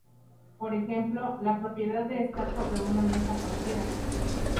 Por ejemplo, la propiedad de estar sobre una mesa cualquiera.